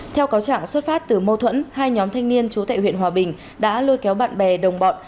theo cáo chẳng xuất phát từ mâu thuẫn hai nhóm thanh niên chú tệ huyện hòa bình đã lôi kéo bạn bè đồng bọn